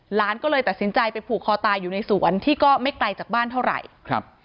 หลานก็เลยตัดสินใจไปผูกคอตายอยู่ในสวนที่ก็ไม่ไกลจากบ้านเท่าไหร่ครับ